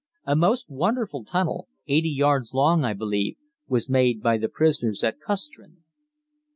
A most wonderful tunnel, 80 yards long I believe, was made by the prisoners at Custrin.